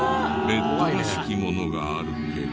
ベッドらしきものがあるけど。